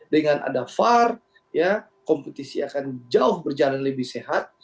dengan ada var kompetisi akan jauh berjalan lebih sehat